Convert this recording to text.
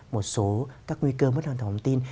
một số các nguy cơ mất an toàn thông tin